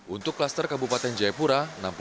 untuk klaster kabupaten jayapura